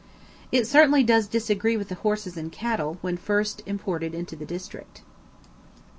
It certainly does disagree with the horses and cattle when first imported into the district.